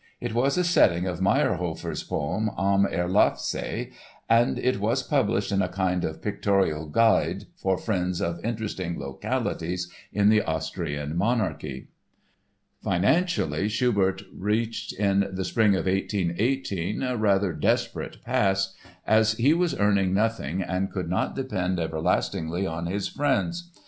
It was a setting of Mayrhofer's poem Am Erlafsee and it was published in a kind of pictorial guide "For Friends of Interesting Localities in the Austrian Monarchy." Financially, Schubert reached in the spring of 1818 a rather desperate pass, as he was earning nothing and could not depend everlastingly on his friends.